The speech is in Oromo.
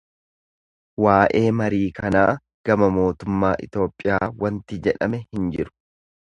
Waa'ee marii kanaa gama mootummaa Itoophiyaa wanti jedhame hin jiru.